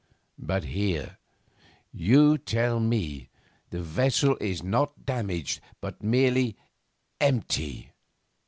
'But here, you tell me, the vessel is not damaged, but merely empty.